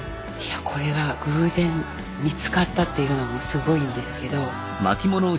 これが偶然見つかったっていうのもすごいんですけど。